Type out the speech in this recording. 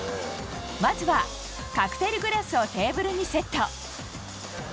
まずは、カクテルグラスをテーブルにセット。